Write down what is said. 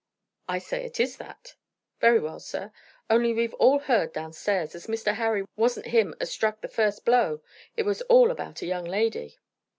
"I say it is that!" "Very well, sir. Only we've all heard down stairs as Mr. Harry wasn't him as struck the first blow. It was all about a young lady."